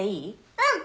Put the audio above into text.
うん。